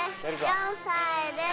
４歳です